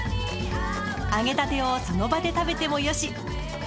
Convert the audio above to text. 揚げたてをその場で食べてもよし。